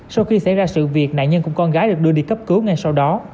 sau khi xảy ra sự việc nạn nhân cùng con gái được đưa đi cấp cứu ngay sau đó